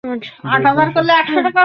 আমি বাকিটা দেখে নিবো।